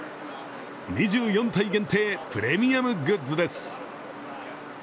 ２４体限定、プレミアムグッズです。